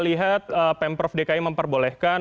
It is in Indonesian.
lihat pemprov dki memperbolehkan